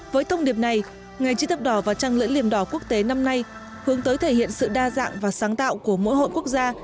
với thông điệp này ngày chữ thập đỏ và trăng lưỡi liềm đỏ quốc tế năm nay hướng tới thể hiện sự đa dạng và sáng tạo của mỗi hội quốc gia